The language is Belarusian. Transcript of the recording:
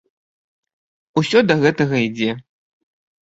Усе да гэтага ідзе.